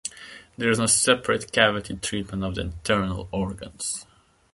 There is no separate cavity treatment of the internal organs.